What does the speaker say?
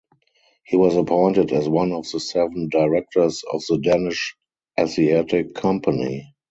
He was appointed as one of the seven directors of the Danish Asiatic Company.